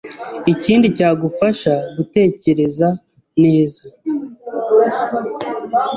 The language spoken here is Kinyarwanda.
Ikindi cyagufasha gutekereza neza